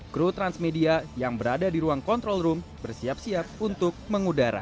kru transmedia yang berada di ruang control room bersiap siap untuk mengudara